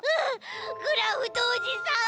クラフトおじさん。